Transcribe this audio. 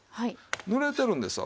濡れてるんですわ。